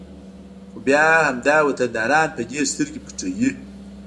خو بیا همدا وطنداران په دې سترګې پټوي